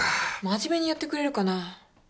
真面目にやってくれるかな。